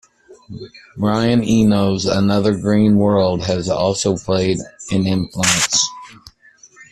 Brian Eno's "Another Green World" has also played an influence.